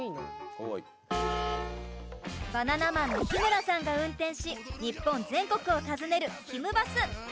バナナマンの日村さんが運転し日本全国を訪ねる「ひむバス！」